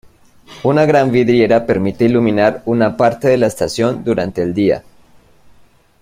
Una gran vidriera permite iluminar una parte de la estación durante el día.